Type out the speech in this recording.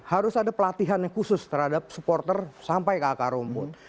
harus ada pelatihan yang khusus terhadap supporter sampai ke akar rumput